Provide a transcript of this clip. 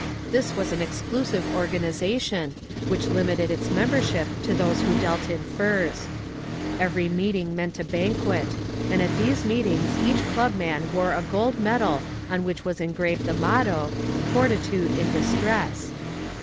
This was an exclusive organization, which limited its membership to those who dealt in furs. Every meeting meant a banquet, and at these meetings each club man wore a gold medal on which was engraved the motto, 'Fortitude in Distress.'